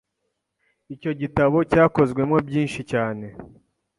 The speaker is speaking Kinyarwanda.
icyo gitabo cyakozwemo byinshi cyane